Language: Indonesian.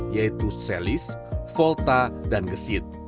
yaitu selis volta dan gesit